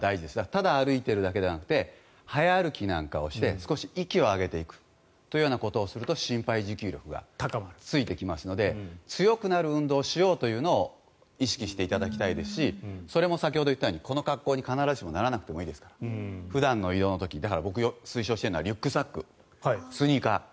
ただ歩いているだけではなくて早歩きなんかをして少し息を上げていくことをすると心肺持久力がついてきますので強くなる運動をしようというのを意識していただきたいですしそれも先ほど言ったようにこの格好に必ずしもならなくていいですから普段の移動の時僕、推奨しているのはリュックサック、スニーカー。